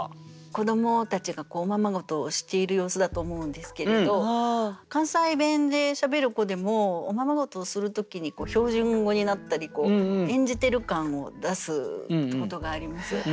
子どもたちがおままごとをしている様子だと思うんですけれど関西弁でしゃべる子でもおままごとをする時に標準語になったり演じてる感を出すってことがあります。